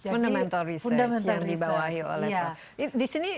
fundamental research yang dibawahi oleh prof